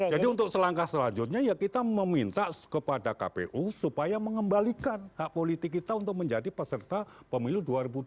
jadi untuk langkah selanjutnya ya kita meminta kepada kpu supaya mengembalikan hak politik kita untuk menjadi peserta pemilu dua ribu dua puluh empat